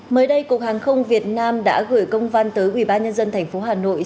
mới đây cục hàng không việt nam đã gửi công văn tới ubnd tp hà nội